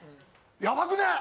ヤバくね？